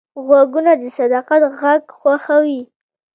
غوږونه د صداقت غږ خوښوي